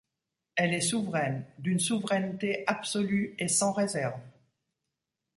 Elle est souveraine, d’une souveraineté absolue et sans réserve.